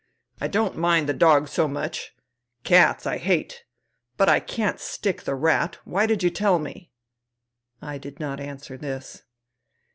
" I don't mind the dog so much. Cats I hate. But I can't stick the rat. Why did you tell me ?'* I did not answer this.